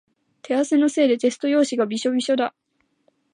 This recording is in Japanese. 手汗のせいでテスト用紙がびしょびしょだ。